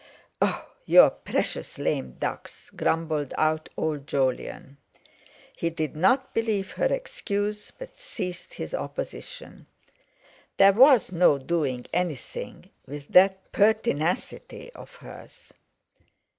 "Oh, your precious 'lame ducks'!" grumbled out old Jolyon. He did not believe her excuse, but ceased his opposition. There was no doing anything with that pertinacity of hers.